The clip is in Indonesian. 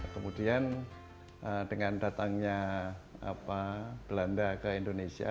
kemudian dengan datangnya belanda ke indonesia